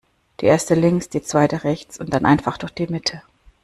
Die Erste links, die Zweite rechts und dann einfach durch die Mitte.